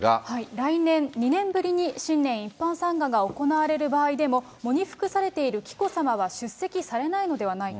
来年、２年ぶりに新年一般参賀が行われる場合でも喪に服されている紀子さまは出席されないのではないか。